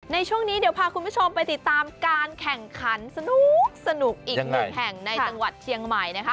ในช่วงนี้เดี๋ยวพาคุณผู้ชมไปติดตามการแข่งขันสนุกอีกหนึ่งแห่งในจังหวัดเชียงใหม่นะคะ